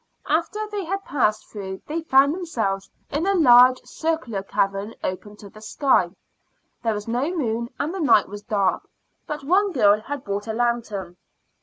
After they had passed through they found themselves in a large circular cavern open to the sky. There was no moon and the night was dark; but one girl had brought a lantern.